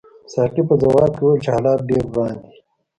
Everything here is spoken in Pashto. ساقي په ځواب کې وویل چې حالات ډېر وران دي.